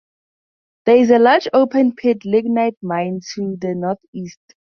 There is a large open-pit lignite mine to the northeast.